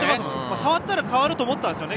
触ったら変わると思ったんでしょうね。